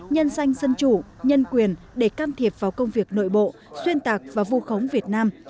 nhân danh dân chủ nhân quyền để can thiệp vào công việc nội bộ xuyên tạc và vu khống việt nam